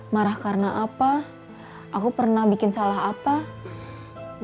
mengungkapnya dengan organisasi yang mendatangkan